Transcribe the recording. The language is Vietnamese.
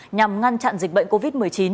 nhằm ngăn chặn dịch bệnh covid một mươi chín